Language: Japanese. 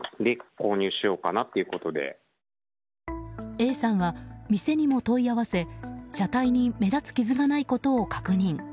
Ａさんは店にも問い合わせ車体に目立つ傷がないことを確認。